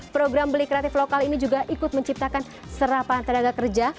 program beli kreatif lokal ini juga ikut menciptakan serapan tenaga kerja